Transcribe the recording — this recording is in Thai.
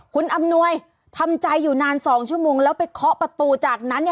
คุณอำนวยทำใจอยู่นาน๒ชั่วโมงแล้วไปเคาะประตูจากนั้น